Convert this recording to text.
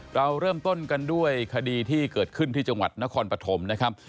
เราเริ่มต้นกันด้วยคดีที่เกิดขึ้นที่จังหวัดนครปฐมนะครับ